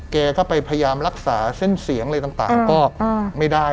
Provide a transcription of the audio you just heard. แกก็ไปพยายามรักษาเส้นเสียงอะไรต่างก็ไม่ได้